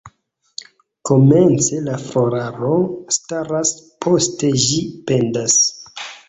Komence la floraro staras, poste ĝi pendas.